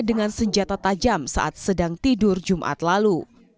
dengan senjata tajam saat sedang tidur jumat lalu